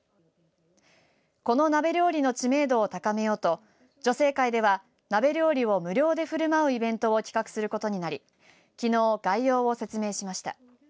この鍋料理の知名度を高めようと女性会では鍋料理を無料でふるまうイベントを企画することになりきのう概要を説明しました。